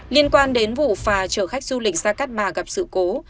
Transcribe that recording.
liên quan đến vụ phà chở khách du lịch ra cát bà gặp sự cố